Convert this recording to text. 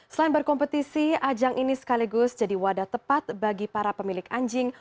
selain berkompetisi ajang ini sekaligus jadi wadah tepat bagi para pemilik anjing